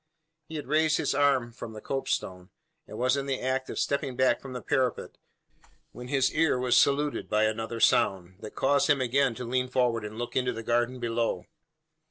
He had raised his arm from the copestone, and was in the act of stepping back from the parapet, when his ear was saluted by another sound, that caused him again to lean forward and look into the garden below.